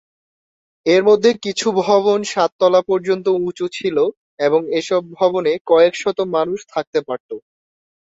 এর মধ্যে কিছু ভবন সাত তলা পর্যন্ত উঁচু ছিল এবং এসব ভবনে কয়েকশত মানুষ থাকতে পারত।